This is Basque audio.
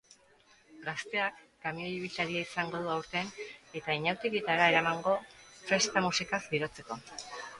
Gazteak kamioi ibiltaria izango du aurten eta inauterietara eramango festa musikaz girotzeko.